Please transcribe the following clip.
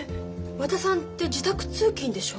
和田さんって自宅通勤でしょ？